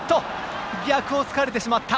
逆を突かれてしまった。